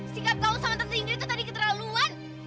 sikap kamu sama tante ingrid itu tadi keterlaluan